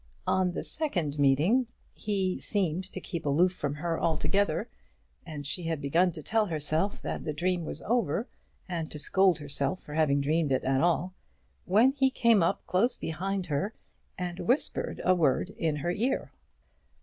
On the second meeting he had seemed to keep aloof from her altogether, and she had begun to tell herself that that dream was over, and to scold herself for having dreamed at all when he came close up behind and whispered a word in her ear.